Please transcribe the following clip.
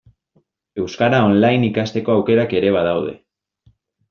Euskara online ikasteko aukerak ere badaude.